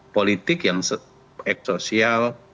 politik yang ek sosial